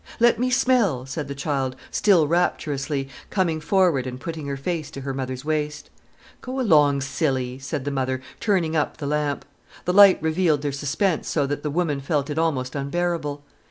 "Let me smell!" said the child, still rapturously, coming forward and putting her face to her mother's waist. "Go along, silly!" said the mother, turning up the lamp. The light revealed their suspense so that the woman felt it almost unbearable.